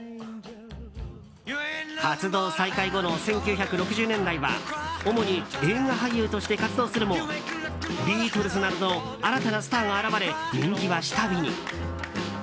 活動再開後の１９６０年代は主に映画俳優として活動するもビートルズなどの新たなスターが現れ人気は下火に。